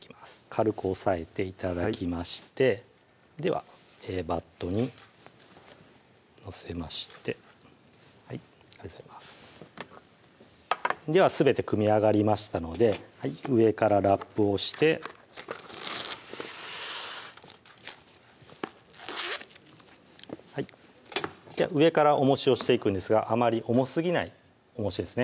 軽く押さえて頂きましてではバットに載せましてはいありがとうございますではすべて組み上がりましたので上からラップをして上からおもしをしていくんですがあまり重すぎないおもしですね